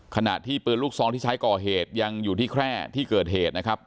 ขณะที่ปืนลูกซองที่ใช้ก่อเหตุยังอยู่ที่แคร่ที่เกิดเหตุนะครับ